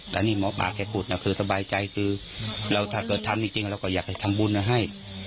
แต่นี่หมอปลาแกพูดนะคือสบายใจคือเราถ้าเกิดทำจริงเราก็อยากให้ทำบุญให้